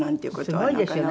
すごいですよね。